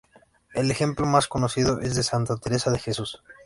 El ejemplo más conocido es de Santa Teresa de Jesús.